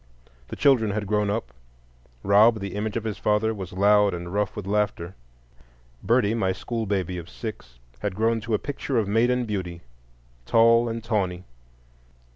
The children had grown up. Rob, the image of his father, was loud and rough with laughter. Birdie, my school baby of six, had grown to a picture of maiden beauty, tall and tawny.